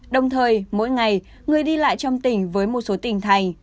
đồng thời mỗi ngày người đi lại trong tỉnh với một số tỉnh thành